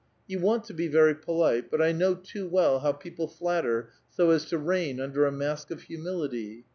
You want to be very polite ; but I know too well how people flatter so as to reign under a mask of humility.